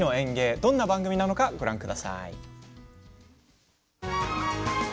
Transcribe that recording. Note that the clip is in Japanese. どんな番組か、ご覧ください。